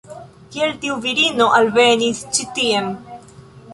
Kiel tiu virino alvenis ĉi-tien?